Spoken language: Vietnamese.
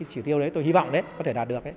chỉ tiêu đấy tôi hy vọng đấy có thể đạt được